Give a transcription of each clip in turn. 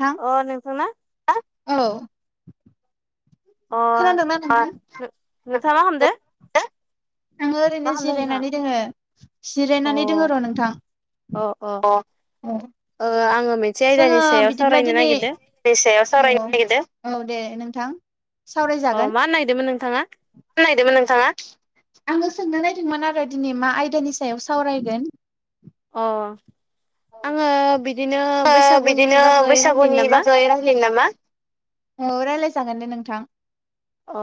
थां अ नोंथा ना औ अ खोनादोंना नोंथां? नोंथाङा मा खामदों? आङो ओरैनो जिरायनानै दोङो अ जिरायनानै दङ र' नोंथां अ ओ आङो मोनसे जोङो आयदानि सायाव बिदिब्ला सावरायनो दिनै नागिरदों दैनि सायाव सावरायनो नागिरदों औ दे नोंथां अ सावरायजागोन मा होननो नागिरदोंमोन नोंथाङा नायदोंमोन नोंथाङा? आङो सोंना नायदोंमोन आरो दिनै मा आयदानि सायाव सावरायगोन। अ आङो बिदिनो बैसागुनि बागै रायज्लनो नामा? दे रायलायनो नामा? औ रायज्लाय जागोन दे नोंथां अ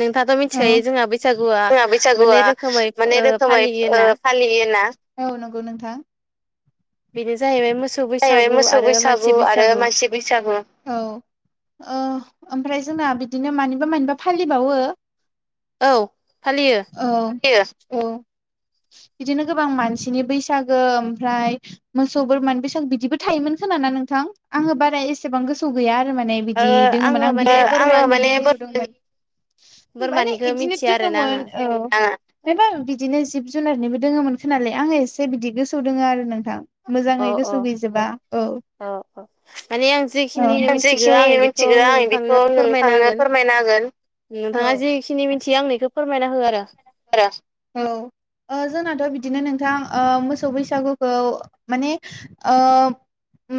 नोंथाङाथ' औ मिथिखायो बैसागुआ जोंहा मोननै बैसागुआ रोखोमै मानै ओ रोखोमै फालियो ओ होनना फालियो ना? औ नंगौ नोंथां बेनो जाहैबाय मोसौ जाहैबाय बैसागु मोसौ आरो बैसागु मानसि आरो बैसागु मानसि बैसागु औ ओ ओमफ्राय जोंना बिदिनो मानिबा मानिबा फालिबावो औ फालियो। औ [unintelligible] औ बिदिनो गोबां मानसिनि बैसागो ओमफ्राय मोसौ बोरमानि बैसागु बिदिबो थायोमोन खोमाना नोंथां आङो बारा एसेबां गोसोआव गैया आरो माने। ओ बिदि दङोमोन आङो आं माने बिदिनो ओ आङो बोरमानि माने [unintelligible] माने बोरमानिखौ बिदिनो मिथिया आरोना आङो [unintelligible] ओ बेफोर बिदिनो जिब जुनारनिबो दोङोमोन खोनालै आङो एसे बिदि गोसोआव दोङो आरो नोंथां। अ मोजाङै अ गोसोयाव गैजोबा औ। औ माने आं ओ जेखिनि माने आं मिथिगौ जेखिनि आं बेखौ मिथिगौ आं नोंथांनो बेखौ नोंथानो फोरमायना होगोन। उम औ नोंथाङा जेखिनि मिथियो आंनो एखौ फोरमायना हो आरो। आरो औ। ओ जोंनाथ' बिदिनो नोंथां ओ मोसौ बैसागुखौ माने ओ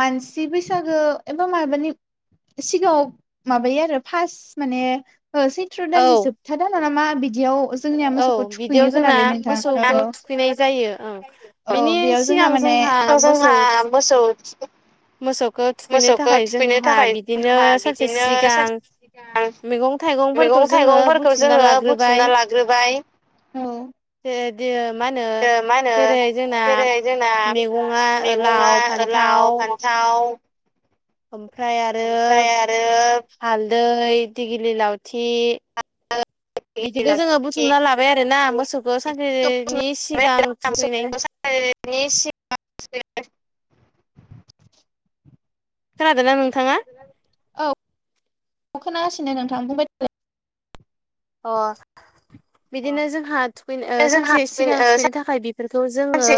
मानसि बैसागो एबा माबानि सिगाङाव माबायो आरो फास्ट माने ओ सै थ्र' औ दाननि जोबथा दानाव ना मा बिदियाव जोंनिया औ मोसौखौ बिदियाव थुखैयो जोंना खोनालै नोंथां औ मोसौखौ औ थुखैनाय जायो ओं औ बेनि बेयाव। सिगां जोंना माने जोंहा मोसौ जोंहा मोसौ थुखै मोसौखौ थुखैनो मोसौखौ थाखाय थुखैनो जोंहा थाखाय बिदिनो जोंहा सानसे बिदिनो सिगां सानसे गां मैगं थाइगंफोरखौ मैगं जोङो थाइगंफोरखौ बुथुमना जोङो लाग्रोबाय बुथुमना लाग्रोबाय। औ मा होनो मा होनो जेरै जोंना जेरै जोंना मैगङा मेगंया लाव लाव फान्थाव फान्थाव ओमफ्राय आरो हालदै दिगिलि लावथि बिदिखौ जोङो बुथुमना लाब बाय आरोना मोसौखौ सानसेनि सिगां थुखैनाय [unintelligible] खोनादों ना नोंथाङा? औ खोनागासिनो नोंथां बुंबाय थालाय। अ बिदिनो जोंहा थुखैनो बिदिनो ओ जोंहा सानसे सिगां थुखैनो थाखाय बि बेफोरखौ जोङो सानसे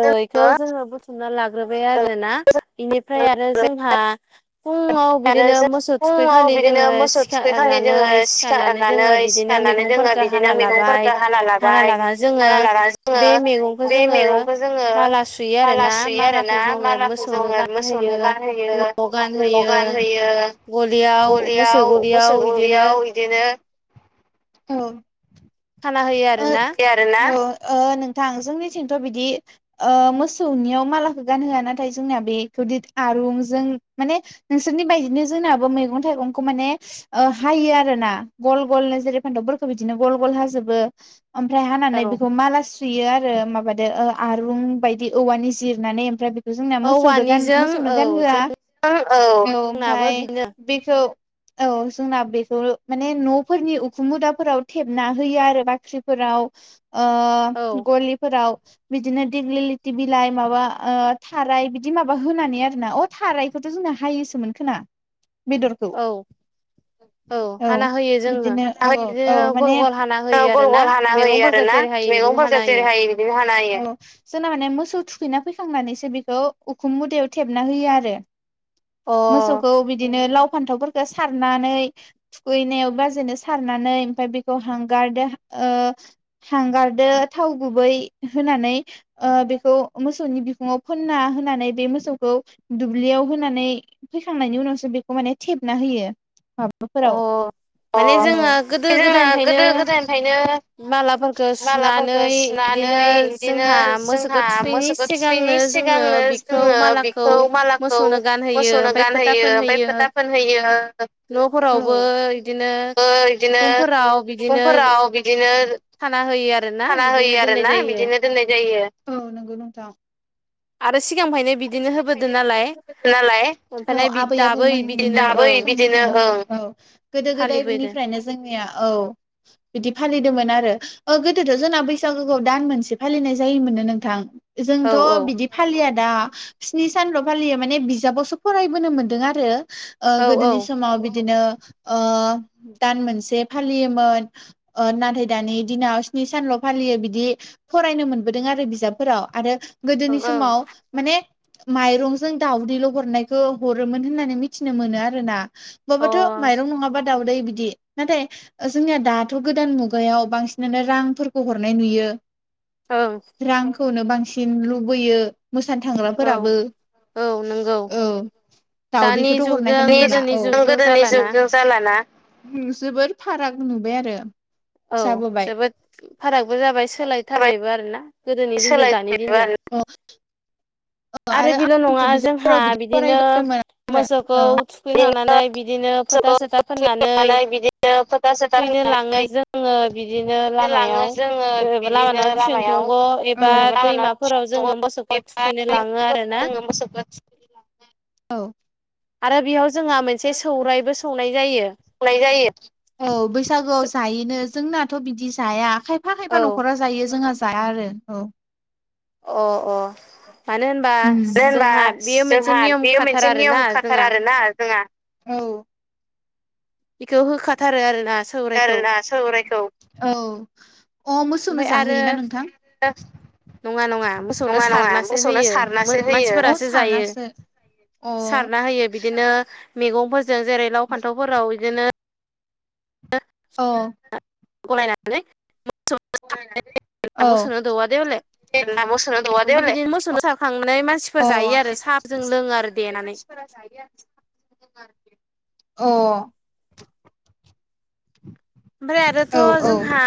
ओइ बेखौ सिगां जोङो बुथुमना लाग्रोबाय आरोना बेनिफ्राय आरो जोंहा फुङाव आरो बिदिनो जों मोसौ थुखै फुङाव खालि बिदिनो जोङो मोसौ सिखार थुखैखालि नानै जोङो सिखारनानै जोङो बिदिनो सिखारनानै जोङो मैगंफोरखौ हाना बिदिनो लाबाय मैगंफोरखौ हाना लाबाय लानानै जोङो हाना लाना जोङो बे मेगंखौ बे जोङो मैगंखौ जोङो माला सुयो माला आरोना सुयो आरो ना मालाखौ जोङो मालाखौ मोसौनो जोङो गानहोयो मोसौनो गानहोयो न'आव गानहोयो। गलियाव मोसौ गलियाव गलियाव मोसौखौ इदिनो गलियाव इदिनो खाना होयो औ ओ आरोना [unintelligible] खोनादोंना औ ओ नोंथां जोंनिथिंथ' बिदि ओ मोसौनियाव मालाखौ गानहोआ नाथाय जोंनाया बे दिद आरुंजों माने नोंसोरनि बायदिनो जोंनाबो मैगं थाइगंखौ माने ओ हायो आरो ना गल गल जेरै फान्थावफोरखौ बिदिनो गल गल हाजोबो। ओमफ्राय हानानै औ बेखौ माला सुयो आरो माबादो ओ आ रुं बायदि औवानि जिरनानै ओमफ्राय बे जोंना मोसौदो औवानिजों गान-मोसौनो औ गानहोआ ओ औ औ जोंनाबो ओमफाय बिनो बेखौ औ जोंना बेखौ माने न'फोरनि उखुम मुदाफोराव थेबना होयो आरो बाख्रिफोराव। ओ औ गलिफोराव बिदिनो दिग्लिलिथि बिलाइ माबा ओ थाराय बिदि माबा होनानै आरोना अ थाराय खौथ' जोंना हायोसोमोनखोना बेदरखौ। औ औ हाना होयो जोङो बिदिनो औ बिदिनो औ गल माने गल हाना होयो आरो गल ना गल हाना होयो मैगंफोरखौ आरोना। जेरै हायो बिदिनो मैगंफोरखौ हाना जेरै होयो हायो बिदिनो हाना होयो औ। जोंना माने मोसौ थुखैना फैखांनानैसो बेखौ उखुम मुदायाव थेबना होयो आरो। अ मोसौखौ बिदिनो लाव फान्थावफोरखौ सारनानै थुखैनायाव बाजैनो सारनानै ओमफ्राय बेखौ हांगारदो ओ हांगारदो थाव गुबै होनानै ओ बेखौ मोसौनि बिखुङाव फोनना होनानै बे मोसौखौ दुब्लियाव होनानै फैखांनायनि उनावसो बेखौ माने थेबना होयो अ माबाफोराव अ माने गोदो जोङो गोदायनिफ्रायनो गोदो गोदायनिफ्रायनो मालाफोरखौ सुनानै मालाफोरखौ सुनानै बिदिनो बिदिनो जोंहा मोसौखौ जोंहा थुखैनि मोसौखौ थुखैनि सिगांनो जोङो सिगांनो बिखौ जोङो मालाखौ बेखौ मालाखौ मोसौनो गानहोयो मोसौनो ओमफ्राय फोथा गानहोयो ओमफाय फोनहोयो फोथा फोनहैयो औ न'फोरावबो ओ बिदिनो बिदिनो उखुमफोराव दफां बिदिनो फोराव बिदिनो खाना होयो आरोना खाना बिदिनो होयो दोननाय आरोना जायो बिदिनो दोननाय जायो औ नोंगै नोंथां आरो सिगांनिफ्रायनो आरो बिदिनो होबोदों नालाय सिगांनिफ्रायनो बिदिनो होै नालाय औ ओमफ्राय आबै दाबो आबौमोन बिदिनो दाबो ओं बिदिनो औ औ गोदो फालिबोदों गोदायनिफ्रायनो जोंनिया औ बिदि फालिदोंमोन आरो ओ गोदोथ' जोंना बैसागोखौ दान मोनसे फालिनाय जायोमोन नोंथां औ जोंथ' औ बिदि फालिया दा स्नि सानल' फालियो माने बिजाबावसो फरायबोनो मोनदों आरो ओ औ औ गोदोनि समाव बिदिनो ओ दान मोनसे फालियोमोन ओ नाथाय दानि दिनाव स्नि सानल' फालियो बिदि फरायनो मोनबोदों आरो बि बिजाबफोराव आरो ओं गोदोनि ओं समाव माने माइरंजों दावदैल' हरनायखौ हरोमोन होननानै मिथिनो मोनो आरो ना अबावबाथ' माइरं नङाबा दाावदै बिदि नाथाय जोंनिया दाथ' गोदान मुगायाव बांसिनानो रांफोरखौ हरनाय नुयो औ रांखौनो बांसिन लुबैयो मोसानो औ थांग्राफोराबो औ नंगौ औ दानि दावदैखौथ' जुगजों गोदोनि हरनायखौ औ जुगजों गोदोनि जालाना जुग जुग जालाना जोबोर फाराग नुबाय आरो औ जाबोबाय जोबोद फारागबो जाबाय सोलायथारबायबो आरोना गोदोनि दिनजों दानि दिनजों सोलायथबायानो आरो बेल' नङा जोंहा बिदिनो फरायबोदोंमोन आरो मोसौखौ औ बिदिनो थुखैखांनानै बिदिनो फोथा मोसौखौ सोथा फोननानै लांनानै बिदिनो फोथा सोथा थुखैनो लाङो जों फोननानै जङो बिदिनो लाङो लामायाव जोङो बिदिनो लामायाव लामायाव दंग' एबा लामाना दैमा फोराव जोङो मोसौखौ थुखैनो लाङो आरो ना मोसौ [unintelligible] औ आरो बेयाव जोंहा मोनसे सौरायबो संनाय जायो जायो औ बैसागुआव जायोनो जोंना दाथ' बिदि जाया खायफा औ खायफा न'खरा जायो जोंहा जाया आरो औ अ अ मानो होनबा उम दे होनबा जोंहा बेयो मोनसे जोंहा नियम बेयो खाथार मोनसे नियम आरोना खाथार जोंहा आरोना जोंहा औ बेखौ होखाथारो आरोना सौरायखौ गारला सौरायखौ औ अ मोसौनो ओमफ्राय आरो जाहोयोना नोंथां नङा नङा मोसौनो नङा नङा सारनासो मोसौनो होयो सारनासो होयो। मानसिफोरासो जायो सारनासो अ। सारना होयो बिदिनो मैगंफोरजों जेरै लाव फान्थावफोराव बिदिनो औ गलायनानै [unintelligible] औ मोसौनो दौव दे हलाय जेब्ला मोसौनो दौवा ओमफ्राय देवले बिदिनो मोसौनो थांनाय अ मानसिफोर जायो आरो साहाफजों लोङो आरो साखांनानै देनानै मानसिफोरा जायो अ ओमफ्राय आरोथ' औ औ जोंहा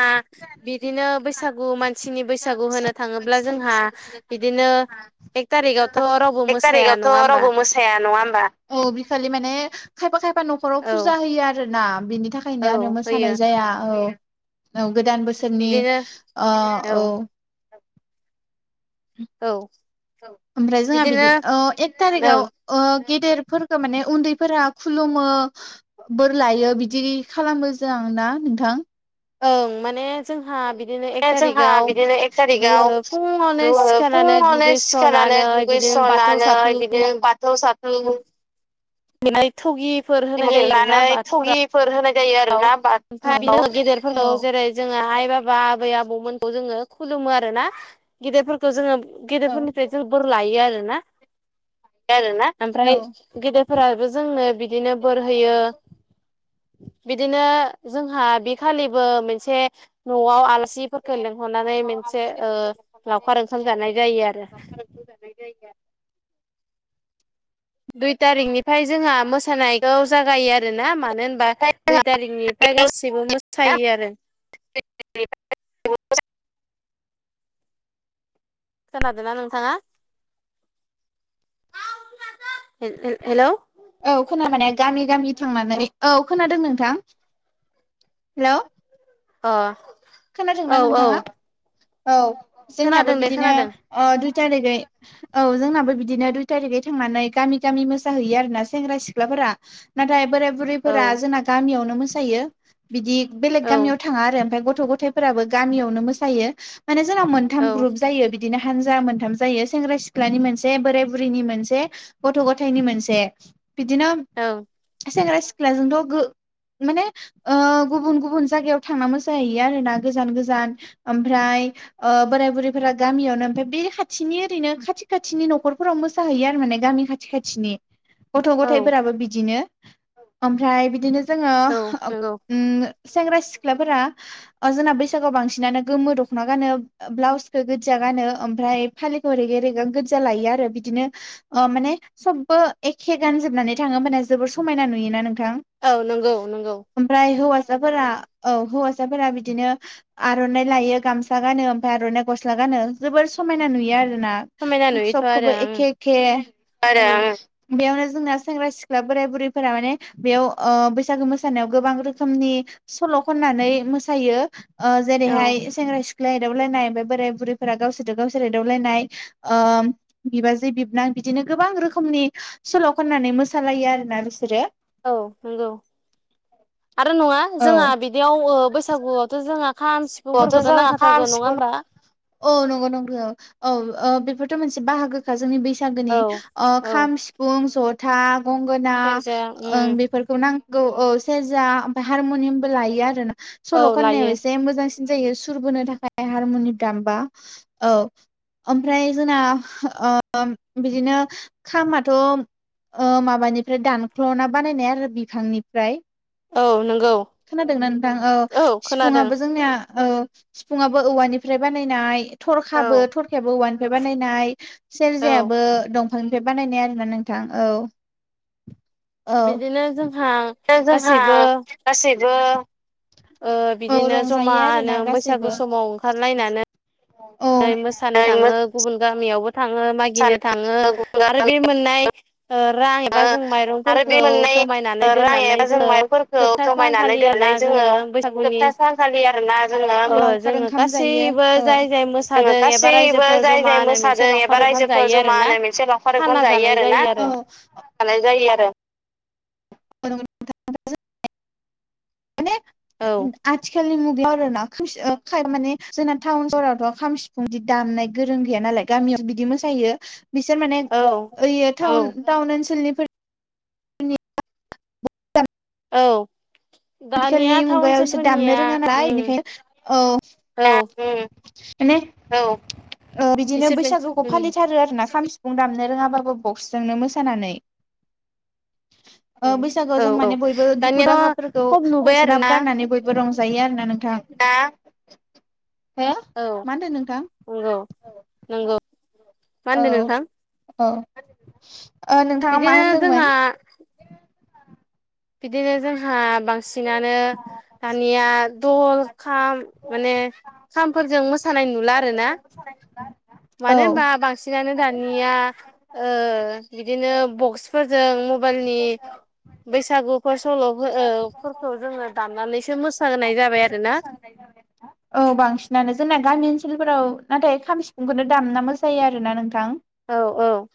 बिदिनो बैसागु मानसिनि बैसागु होनो थाङोब्ला जोंहा बुंनो बिदिनो थाङोब्ला जोंहा एक थारिखावथ' बिदिनो रावबो एक मोसाया तारिगावथ' नङा होमबा रावबो मोस साया नङा ओमबा औ बिखालि माने खायफा खायफा न'फ खराव औ फुजा होयो आरोना बिनि थाखायनो औ आरो होयो मोसानाय जाया औ औ गोदान बोसो सोरनि बिदिनो अ औ। औ औ ओमफ्राय जोंहा बिदि बिदिनो औ एक तारिगाव ओं ओ गेदेरफोरखो माने उन्दैफोरा खुलुमो। बोर लायो बिदि खालामो जां ना नोंथां? ओं माने जोंहा बिदिनो एक दा जोंहा तारिगाव बिदिनो एक दु ओ थारिखाव फुङावनो सिखारनानै दुगैस्र'नानै बिदिनो बाथौ गैस्र'नानै साथौ बिदिनो बाथौ साथौ [unintelligible] थगिफोर होनाय जायो आरोना बाथफोराव फोर होनाय जायो आ औ ओमफाय [unintelligible] गेदेरफोर जेरै जोङो आइ, बाबा, आबै, आबौमोनखौ जोङो खुलुमो आरो ना? गेदेरफोरखौ जोङो औ गेदेरफोरनिफ्राय जों बोर लायो आरो ना? आरोना ओमफ्राय औ गोदेरफोराबो जोंनो बिदिनो बोर होयो। बिदिनो जोंहा बि खालिबो मोनसे न'आव मोनसे आलासिफोरखो लिंहरनानै न'आव मेनसे ओ आलासिफोरखौ लेंहरनानै लावखार ओंखाम मोनसे जानाय जायो आरो लावखार ओंखाम जानाय जायो दुइ तारिकनिफ्राय जोंहा मोसानायखौ जागायो आरो ना मा नो होनबा आरो दुइ तारिकनिफ्राय गासिबो मोसायो आरो [unintelligible] खोनादों ना नोंथाङा हेल हेल हेलौ औ खोनाबाने गामि गामि थांनानै औ खोनादों नोंथां हेलौ अ खोनादोंना औ नोंथाङा औ औ जोंनियाबो खोनादों दे बिदिनो खोनादों अ दुइ तारिगै औ जोंनाबो बिदिनो दुइ तारिगै थांनानै गामि गामि मोसाहैयो आरोना सेंग्रा सिख्लाफोरा नाथाय बोराइ बुरैफोरा औ जोंना गामियावनो मोसायो बिदि बेलेग औ गामियाव थाङा आरो ओमफाय गथ' गथ थायफोराबो गामियावनो मोसायो माने जोंनाव औ मोनथाम ग्रुप जायो बि बिदिनो हानजा मोनथाम जायो सेंग्रा सिख्लानि मोनसे, बोराय बुरैनि मोनसे गथ' गथाइनि मोनसे बिदिनोम औ सेंग्रा सिख्लाजोंथ' गो माने ओ गुबुन गुबुन जायगायाव थांना मोसाहैयो आरो ना गोजान गोजान ओमफ्राय ओ बोराय बुरैफोरा गामियावनो ओमफाय बे खाथिनि ओरैनो खाथि खाथिनि न'खरफोराव मोसाहैयो आरो माने गामि खाथ थि खाथिनि गथ' औ गथाइफोराबो बिदिनो ओमफ्राय बिदिनो जोङो औ ओम नंगौ उम सेंग्रा सिख्लाफोरा ओ जोंना बैसागुआव बांसिनानो गोमो दख'ना गानोब ब्लाउसखो गोदजा गानो ओमफ्राय फालिखौ रेग रेगां गोजा लायो आरो बिदिनो ओ माने सबबो एखे गानजोबनानै थाङो ओमबानिया जोबोर समायना नुयोना नोंथां? औ नंगौ नंगौ। ओमफ्राय हौवासाफोरा औ हौवासाफोरा बिदिनो आर'नाइ लायो गामसा गानो ओमफ्राय आर'नाइ गस्ला गानो जोबोर समायना नुयो आरो ना? समायना नुयोथ' आरो सबखोबो एखे एखे [unintelligible] बेयावनो जोंना सेंग्रा-सिख्ला बोराय-बुरैफोरा माने बेयाव ओ बैसागु मोसानायाव गोबां रोखोमनि सल' खननानै मोस थायो ओं जेरैहाय सेंग्रा सि ख्ला एदावलायनाय ओमफाय बोराय-बुरैफोरा गावसोरजों गावसोर एदावलायनाय ओ बिबाजै बिबनां बिदिनो गोबां रोखोमनि सल' खननानै मोसालायो आरोना बिसोरो औ नंगौ। आरो नङा औ जोंहा बिदियाव ओ बैसागुआवथ' जोंहा खाम बआवथ' सिफुंफोरखौथ' जोंहा खाम नांखाथारगोन नङा सिफुं होनबा! औ नंगौ नंगौ औ ओ बेफोरथ' मोनसे बाहागोखा जोंनि बै सागोनि औ अ औ खाम, सिफुं, जथा, गंगोना सेरजा ओं उम बेफोरखौ नां गौ औ सेरजा ओमफ्राय हारम'नियामबो लायो आरो ना औ सल' लायो खननायाव एसे मोजांसि न जायो सुर बोनो थाखाय हारमुनिम दामबा औ। ओमफ्राय जोंना ओ बिदिनो खामाथ' माबानिफ्राय दानख्ल'ना बानायनाय आरो बिफांनिफ्राय औ नंगौ खोनादोंना नोंथां! ओ औ सिफुं खोनादों आबो जोंनिया ओ। सिफुङाबो औवानिफ्राय बानायनाय। थरखाबो औ थरखायाबो औवानिफ्राय बानायनाय। औ सेरजायाबो दं फांनिफ्राय बानायनाय आरोना नोंथां। औ औ बिदिनो जोंहा दा जोंहा गासैबो गासैबो ओ औ बिदिनो रंजायो आरोना जमानो बैसागु गासैबो समाव ओंखारलायना औ नै मोसानो थाङो गुबुन गामियावबो थाङो मागिनो थाङो आरो मोसानो बे मोननाय ओ रां एबा जों मायरं आरो बे मोनाय रां एबा जों माइंफोरखौ जोबथा जमायनानै सानखालि आरोना दोननानै जोङो बैसागुनि जोबथा सानखालि आरोना जोङो ओ लावखार जोङो ओंखाम जायो। गासैबो औ जाय जाय जोङो मोसादों एबा रायजो गासैबो फोर जाय जाय जमानो मोनसे मोसादों लावखार एबा ओंखाम रायजोफोर जायो आरो जमा ना नो मोनसे लावखार खाना ओंखाम जायो जानाय आरोना आरो जानाय जायो आरो। माने औ माने आथिखालनि मुगायाव आरोना खाय माने जोंना टाउन सहरावथ' खाम सिफुं दि दामनाय गोरों गैया नालाय। गामियाव बिदि मोसायो बिसोर माने औ ऐयो औ टाउन टाउन ओनसोलनि [unintelligible] औ आथिखालनि दानिया टाउन मुगायाव सो दामनो ओनसोलफोरनिया रोङा नालाय उम बेनिखायनो औ [unintelligible] माने औ ओ बिदिनो बिसोर बैसागुखौ मोनसे उम फालिथारो आरो ना खाम फुं दामनो रोङाबाबो बक्सजोंनो मोसानानै। औ ओ बैसागोआव औ जों औ माने बयबो दुखु दानिया दाहाफोरखौ। खम नुबाय ज्राब आरोना गारनानै बयबो रंजायो आरोना नोंथां। हो औ मा होनदों नोंथां? नंगौ नंगौ मा औ। होनदों नोंथां अ ओ नोंथाङा मा बिदिनो जोंहा होनदोंमोन? बिदिनो जोंहा बांसिनानो दानिया दल खाम माने खामफोरजों मोसानाय नुला आरो ना मानो औ होनबा बांसिन बांसिनानो दानिया ओ बिदिनो बक्सफोरजों मबाइलनि बैसागुफोर सल' ओ बैसागुखौ फोरफोरखौ जोङो दामनानैसो मोसाहोनाय जाबाय लानानैसो आरो ना [unintelligible] औ बांसिनानो जोंना गामि ओनसोलफोराव नाथाय खाम सिफुंखौनो दामना मोसायो आरोना नोंथां। औ औ